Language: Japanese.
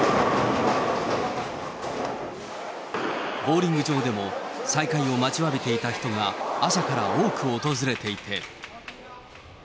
ボウリング場でも、再開を待ちわびていた人が、朝から多く訪れていて。